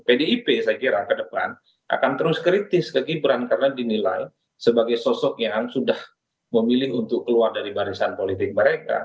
pdip saya kira ke depan akan terus kritis ke gibran karena dinilai sebagai sosok yang sudah memilih untuk keluar dari barisan politik mereka